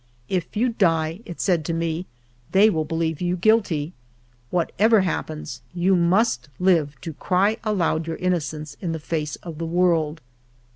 " If you die,'* it said to me, " they will believe you guilty ; whatever happens, you must live to cry aloud your innocence in the face of the world."